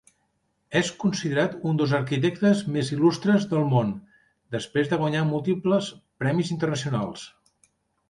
És considerat un dels arquitectes més il·lustres del món, després de guanyar múltiples premis internacionals.